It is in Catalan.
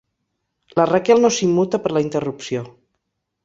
La Raquel no s'immuta per la interrupció.